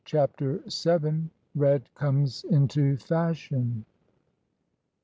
CHAPTER VII. RED COBIES INTO FASHION.